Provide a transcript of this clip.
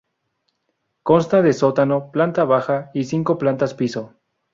Consta de sótano, planta baja y cinco plantas piso.